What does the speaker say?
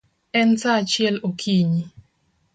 En saa achiel okinyi